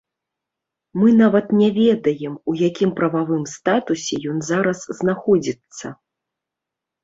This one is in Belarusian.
Мы нават не ведаем, у якім прававым статусе ён зараз знаходзіцца.